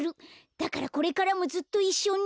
だからこれからもずっといっしょに。